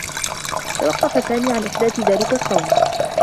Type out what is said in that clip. توقّف سامي عن إحداث ذلك الصّوت.